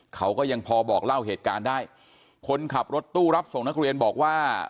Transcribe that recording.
เขาก็ยังพอบอกเล่าเหตุการณ์ได้คนขับรถตู้รับส่งนักเรียนบอกว่า